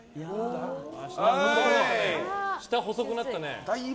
下、細くなったね。